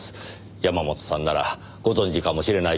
山本さんならご存じかもしれないと思いまして。